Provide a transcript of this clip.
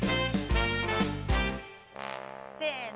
せの。